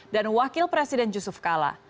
wakil presiden yusuf kala